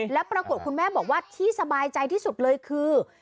แล้วปรากฏคุณแม่บอกว่าที่สบายใจที่สุดเลยคือ